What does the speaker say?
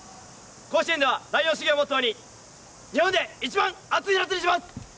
甲子園では「ライオン主義」をモットーに日本で一番熱い夏にします。